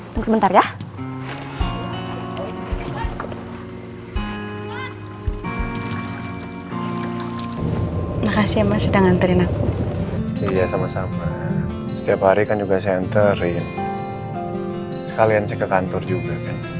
makasih masih dengan terinak iya sama sama setiap hari kan juga senterin kalian sih ke kantor juga